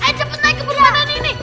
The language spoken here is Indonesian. ayo cepet naik kebun mana nih